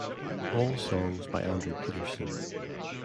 All songs by Andrew Peterson.